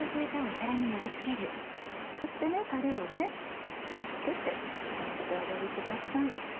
そしてたれを付けてお召し上がりください。